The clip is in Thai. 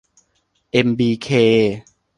เอ็ม บี เค